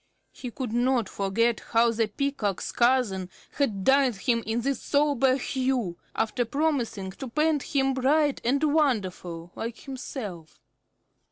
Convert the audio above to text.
He could not forget how the Peacock's cousin had dyed him this sombre hue, after promising to paint him bright and wonderful, like himself.